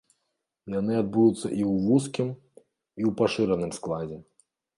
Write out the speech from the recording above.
Яны адбудуцца і ў вузкім, і ў пашыраным складзе.